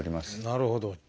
なるほど。